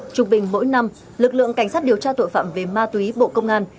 trung bình mỗi năm lực lượng cảnh sát điều tra tội phạm về ma túy bộ công an